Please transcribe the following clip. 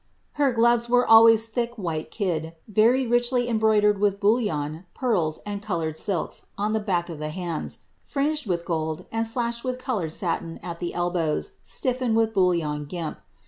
'' loves were always of thick white kid, very richly embroidered Million, pearls, and coloured silks on the back of the hands, fringed ;old, and slashed with coloured satin at the elbows, stifled with 1 gimp.